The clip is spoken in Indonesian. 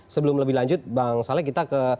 sebelum lebih lanjut bang saleh kita ke